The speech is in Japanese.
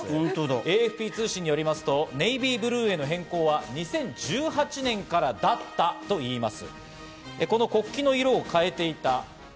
ＡＦＰ通信によりますと、ネイビーブルーへの変更は２０１８年からだったといいます。